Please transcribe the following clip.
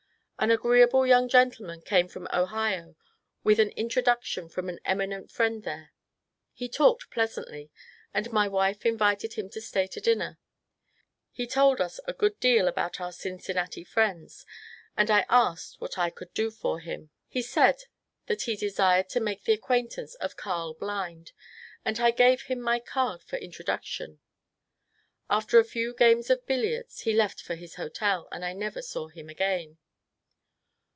An agreeable young gentleman came from Ohio with an introduc tion from an eminent friend there. He talked pleasantly, and my wife invited him to stay to dinner. He told us a good deal about our Cincinnati friends, and I asked what I could do for EARL BUND 69 him. He said that he desired to make the acquaintance of Earl Blind, and I gave him my card for introduction. After a few games at billiards, he left for his hotel, and I never saw him again.